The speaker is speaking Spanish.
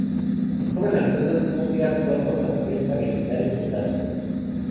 El joven Alfredo tuvo que actuar con rapidez para evitar el desastre.